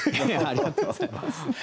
ありがとうございます。